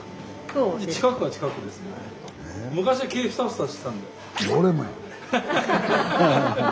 近くは近くですけど。